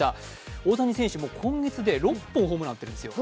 大谷選手、今月で６本ホームラン打ってるんですよ。